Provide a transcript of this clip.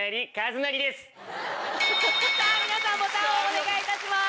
さぁ皆さんボタンをお願いいたします。